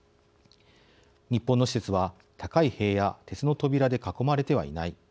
「日本の施設は高い塀や鉄の扉で囲まれてはいない。